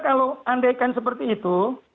kalau andaikan seperti itu